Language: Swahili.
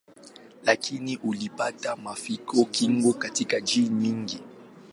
Lakini ulipata mafanikio kidogo katika nchi nyingine.